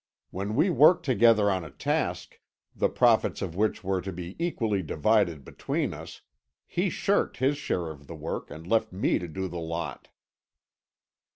When we worked together on a task, the profits of which were to be equally divided between us, he shirked his share of the work, and left me to do the lot."